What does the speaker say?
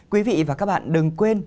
quý vị và các bạn đừng quên